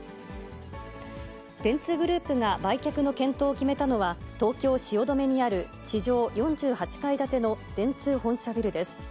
電通グループが売却の検討を決めたのは、東京・汐留にある地上４８階建ての電通本社ビルです。